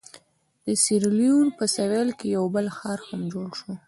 د سیریلیون په سوېل کې یو بل ښار هم جوړ شو.